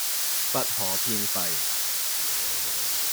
不可偏廢